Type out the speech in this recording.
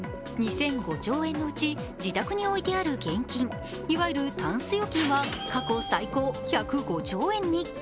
２００５兆円のうち自宅に置いてある現金、いわゆるたんす預金は過去最高１０５兆円に。